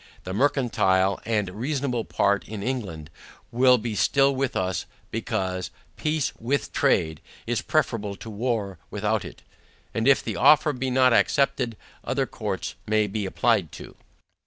The mercantile and reasonable part in England, will be still with us; because, peace WITH trade, is preferable to war WITHOUT it. And if this offer be not accepted, other courts may be applied to.